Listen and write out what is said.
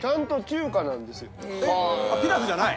ピラフじゃない？